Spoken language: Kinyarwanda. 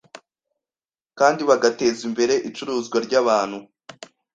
kandi bagateza imbere icuruzwa ry’abantu.